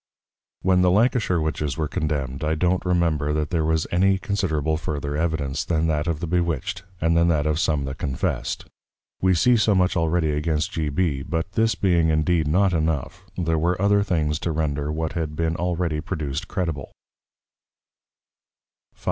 When the Lancashire Witches were Condemn'd I don't remember that there was any considerable further Evidence, than that of the Bewitched, and than that of some that confessed. We see so much already against G. B. But this being indeed not enough, there were other things to render what had been already produced credible. V.